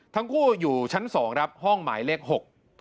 ทั้งคู่อยู่ชั้นสองครับห้องหมายเลขหก